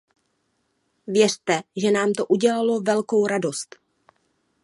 Věřte, že nám to udělalo velkou radost.